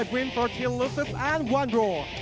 ๔๕วินโปรตีนลูซิสและ๑รอร์